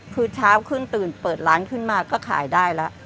คือเช้าขึ้นตื่นเปิดร้านขึ้นมาก็ขายได้แล้ว